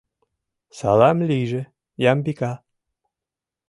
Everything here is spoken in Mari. — Салам ли́йже, Ямбика́!